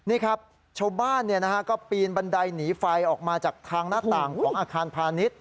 นี่ครับชาวบ้านก็ปีนบันไดหนีไฟออกมาจากทางหน้าต่างของอาคารพาณิชย์